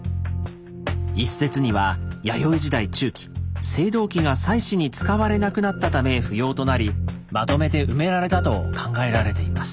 一説には弥生時代中期青銅器が祭祀に使われなくなったため不要となりまとめて埋められたと考えられています。